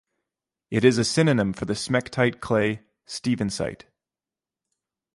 It is a synonym for the smectite clay: stevensite.